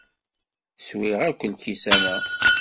Swiɣ akk lkisan-a.